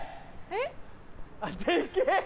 えっ？